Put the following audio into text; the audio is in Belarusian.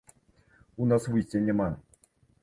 У нас выйсця няма.